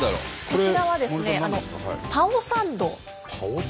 こちらはですねパオサンド？